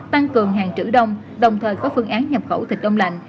tăng cường hàng trữ đông đồng thời có phương án nhập khẩu thịt đông lạnh